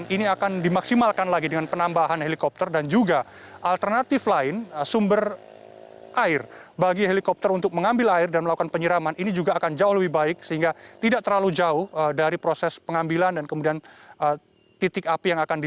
ini akan dimaksimalkan lagi dengan penambahan helikopter dan juga alternatif lain sumber air bagi helikopter untuk mengambil air dan melakukan penyiraman ini juga akan jauh lebih baik sehingga tidak terlalu jauh dari proses pengambilan dan kemudian titik api yang akan di